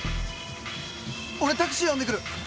俺タクシー呼んでくる！